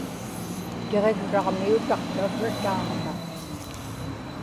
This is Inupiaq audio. tiġiksraġmiutaq tavra taamna